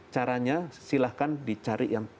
caranya silahkan dicari yang